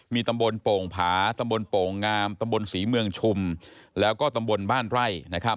มีตำบลโป่งผาตำบลโป่งงามตำบลศรีเมืองชุมแล้วก็ตำบลบ้านไร่